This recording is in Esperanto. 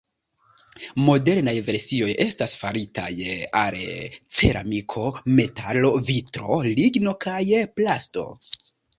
Modernaj versioj estas faritaj el ceramiko, metalo, vitro, ligno kaj plasto.